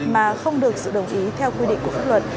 mà không được sự đồng ý theo quy định của pháp luật